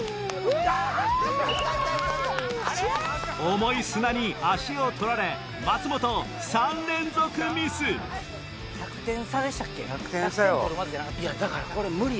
重い砂に足を取られ松本３連続ミス１００点差よ。